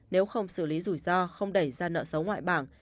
nếu không xử lý rủi ro không đẩy ra nợ xấu ngoại bảng